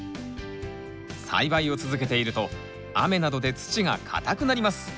栽培を続けていると雨などで土がかたくなります。